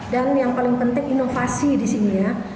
dan yang paling penting inovasi di sini ya